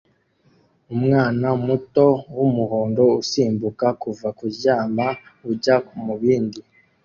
Umwana muto wumuhondo usimbuka kuva kuryama ujya mubindi